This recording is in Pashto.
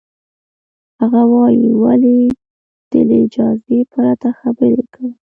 هغه وایي، ولې دې له اجازې پرته خبرې کړې؟